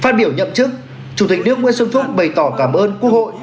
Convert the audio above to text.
phát biểu nhậm chức chủ tịch nước nguyễn xuân phúc bày tỏ cảm ơn quốc hội